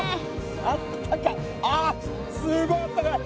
あったかああすごいあったかい！